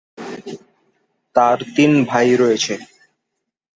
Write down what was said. তার তিন ভাই রয়েছে।